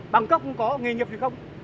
bằng cấp cũng có nghề nhập thì không